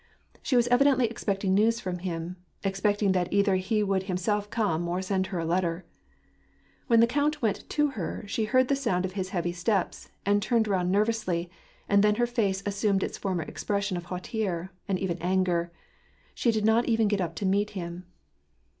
She was evidently expecting news from him, — expecting that either he would himself come, or send her a letter. When the count went to her she heard the sound of his heavy steps, and tunied round nervously, and then her face assumed its former expression of hauteur, and even anger. She did not get up to meet him.